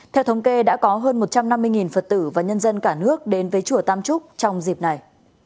theo thống kê đã có hơn một trăm năm mươi phật tử và nhân dân cả nước đến với chùa tam trúc trong dịp này